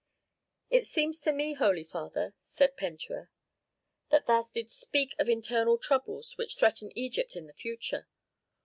"It seems to me, holy father," said Pentuer, "that thou didst speak of internal troubles which threaten Egypt in the future.